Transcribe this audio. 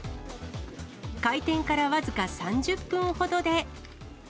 開店から僅か３０分ほどで。